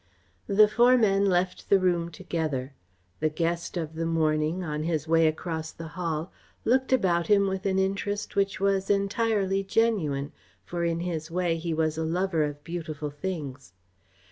The four men left the room together. The guest of the morning, on his way across the hall, looked about him with an interest which was entirely genuine, for in his way he was a lover of beautiful things.